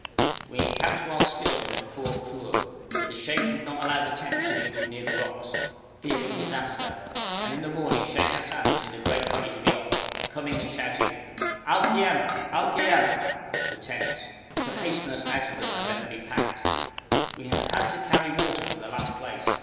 We encamped while still in the Khor Khur, but the sheikhs would not allow the tents to be put near the rocks, fearing disaster, and in the morning Sheikh Hassan was in a great hurry to be off, coming and shouting 'Al khiem! Al khiem!' ('the tents!') to hasten us out of them and let them be packed. We had had to carry water from the last place.